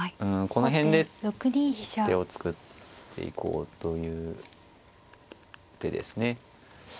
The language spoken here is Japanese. この辺で手を作っていこうという手ですね。